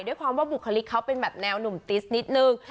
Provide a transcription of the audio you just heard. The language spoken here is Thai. ด้วยความว่าบุคลิกเขาเป็นแบบแนวหนุ่มติสนิดนึง